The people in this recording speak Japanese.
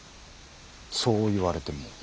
そう言われても。